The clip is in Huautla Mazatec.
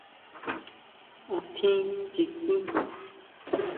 ¿Átjín chikín?